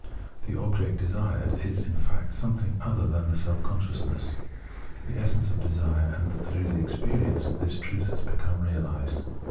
The object desired is, in fact, something other than self consciousness, the essence of desire ; and through this experience this truth has become reaHsed.